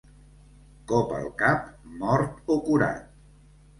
Cop al cap, mort o curat.